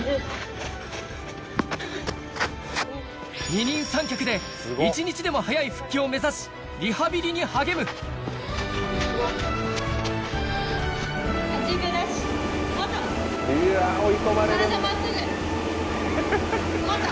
二人三脚で一日でも早い復帰を目指しリハビリに励むもっと！